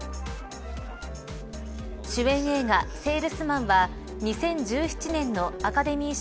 主演映画セールスマンは２０１７年のアカデミー賞